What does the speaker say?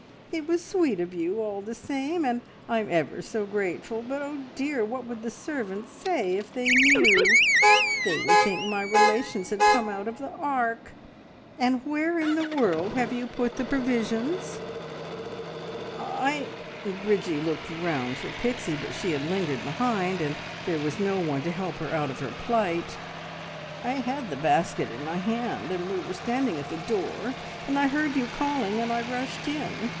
It was sweet of you all the same, and I'm ever so grateful. But, oh dear! what would the servants say if they knew! They would think my relations had come out of the Ark. And where in the world have you put the provisions?" "I I " Bridgie looked round for Pixie, but she had lingered behind, and there was no one to help her out of her plight. "I had the basket in my hand, and we were standing at the door, and I heard you calling and I rushed in.